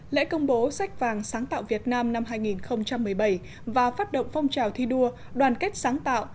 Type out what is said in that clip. lễ công bố sách vàng sáng tạo việt nam năm hai nghìn một mươi bảy và phát động phong trào thi đua đoàn kết sáng tạo